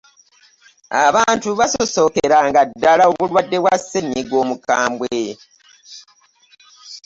abantu baasosokeranga ddala omulwadde wa ssenyiga omukambwe.